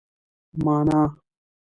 مانا